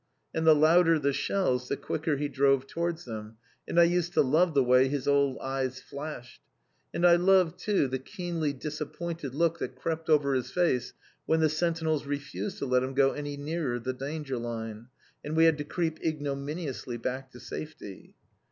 And the louder the shells, the quicker he drove towards them; and I used to love the way his old eyes flashed, and I loved too the keenly disappointed look that crept over his face when the sentinels refused to let him go any nearer the danger line, and we had to creep ignominiously back to safety.